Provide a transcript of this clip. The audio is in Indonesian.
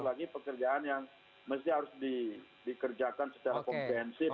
apalagi pekerjaan yang mesti harus dikerjakan secara komprehensif